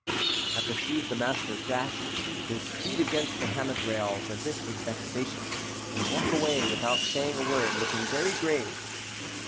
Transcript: I perceived the master dash his feet against the hammock rails, as if with vexation, and walk away without saying a word, looking very grave.